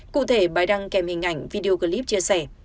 cụ thể bài đăng kèm hình ảnh video clip chia sẻ